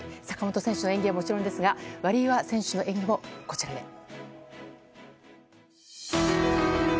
坂本選手の演技ももちろんですがワリエワ選手の演技も、こちらで。